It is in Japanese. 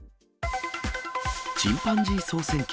チンパンジー総選挙。